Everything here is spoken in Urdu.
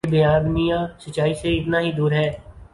یہ بیانیہ سچائی سے اتنا ہی دور ہے۔